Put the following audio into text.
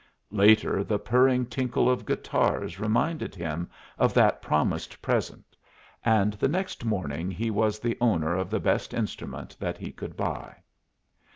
Later the purring tinkle of guitars reminded him of that promised present, and the next morning he was the owner of the best instrument that he could buy.